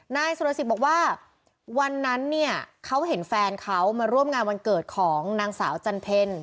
นายสุรสิทธิ์บอกว่าวันนั้นเนี่ยเขาเห็นแฟนเขามาร่วมงานวันเกิดของนางสาวจันเพล